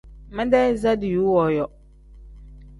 Medee iza diiwu wooyo.